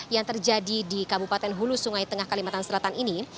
yang terjadi di kabupaten hulu sungai tengah kalimantan selatan ini